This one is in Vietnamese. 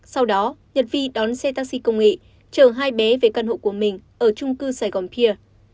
sau đó nhật vi đón xe taxi công nghệ chờ hai bé về căn hộ của mình ở chung cư saigon pier